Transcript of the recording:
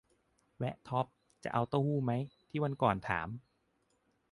แวะท็อปส์ จะเอาเต้าหู้ไหม ที่วันก่อนถาม